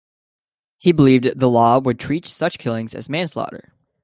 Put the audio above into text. He believed that the law would treat such killings as manslaughter.